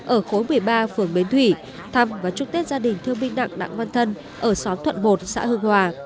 ở khối một mươi ba phường bến thủy thăm và chúc tết gia đình thương binh nặng nặng văn thân ở xóm thuận một xã hương hòa